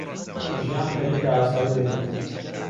ژیان خەریکە ئاسایی دەبێتەوە.